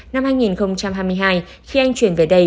năm hai nghìn hai mươi hai khi anh chuyển về đây